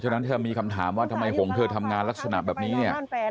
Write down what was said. นั้นถ้ามีคำถามว่าทำไมหงเธอทำงานลักษณะแบบนี้เนี่ย